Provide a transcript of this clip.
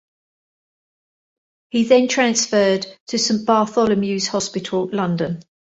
He then transferred to Saint Bartholomew's Hospital, London.